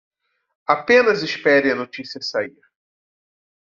Apenas espere a notícia sair